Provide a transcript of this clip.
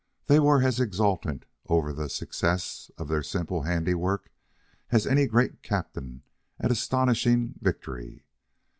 They were as exultant over the success of their simple handiwork as any great captain at astonishing victory.